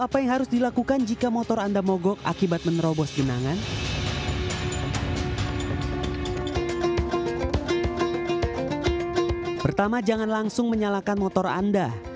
pertama jangan langsung menyalakan motor anda